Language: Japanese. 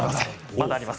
まだあります。